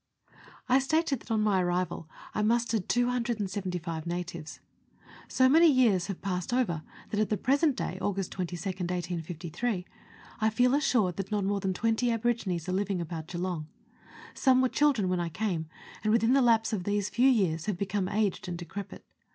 I stated that on my arrival I mustered 275 natives. So many years have passed over that at the present day, August 22nd 1853, I feel assured that not more than twenty aborigines are living about Geelong. Some were children when I came, and within the lapse of these few years have become aged and decrepit.